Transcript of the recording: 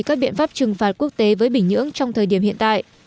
các biện pháp trừng phạt quốc tế với bình nhưỡng trong thời điểm hiện tại